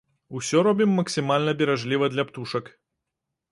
Усё робім максімальна беражліва для птушак.